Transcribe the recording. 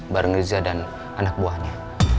bareng riza dan anak buahnya